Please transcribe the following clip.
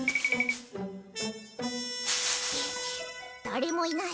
だれもいない。